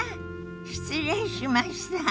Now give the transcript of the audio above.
失礼しました。